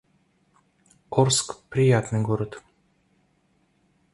Орск — приятный город